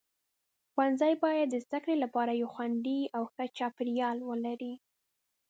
ښوونځي باید د زده کړې لپاره یو خوندي او ښه چاپیریال ولري.